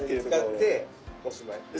つかっておしまい。